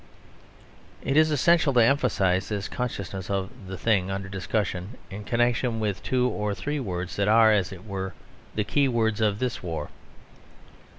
It is essential to emphasise this consciousness of the thing under discussion in connection with two or three words that are, as it were, the key words of this war.